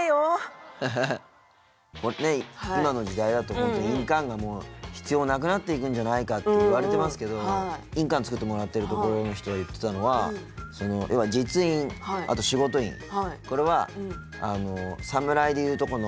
今の時代だと本当に印鑑がもう必要なくなっていくんじゃないかっていわれてますけど印鑑作ってもらってるところの人が言ってたのは要は刀なんだ。